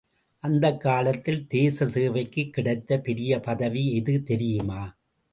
அந்தக் காலத்தில், தேச சேவைக்குக் கிடைத்த பெரிய பதவி எது தெரியுமா?